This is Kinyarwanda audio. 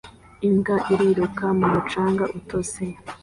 Imbwa iriruka mu mucanga utose